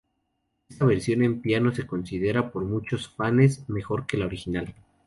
Esta versión en piano se considera por muchos fanes mejor que la original.